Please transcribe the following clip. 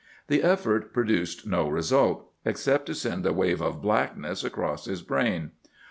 The effort produced no result, except to send a wave of blackness across his brain.